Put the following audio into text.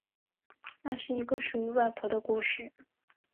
那是一个属于外婆的故事